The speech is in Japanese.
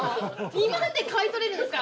◆２万で買い取れるんですか。